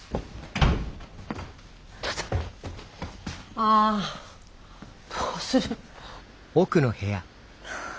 ああどうする？